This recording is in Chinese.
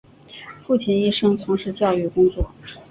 父亲一生从事教育工作。